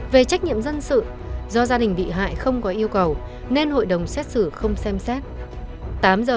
về trách nhiệm dân sự do gia đình bị hại không có yêu cầu nên hội đồng xét xử không xem xét